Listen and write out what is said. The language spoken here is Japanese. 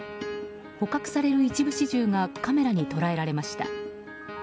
捕獲される一部始終がカメラに捉えられました。